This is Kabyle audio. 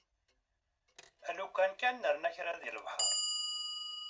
Alukan kan nerna kra deg lebḥer.